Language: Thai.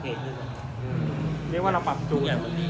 เริ่มเรื่องจะปัดจูน